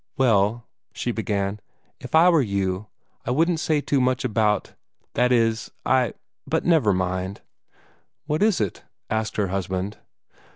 "Well," she began, "if I were you, I wouldn't say too much about that is, I but never mind." "What is it?" asked her husband.